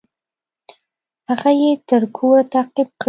هغه يې تر کوره تعقيب کړى.